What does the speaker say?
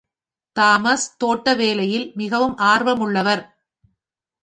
Thomas தோட்ட வேலையில் மிகவும் ஆர்வமுள்ளவர்.